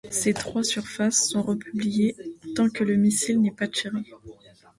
Ces trois surfaces sont repliées tant que le missile n'est pas tiré.